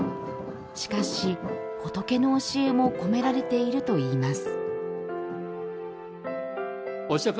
しかし、仏の教えも込められているといいます。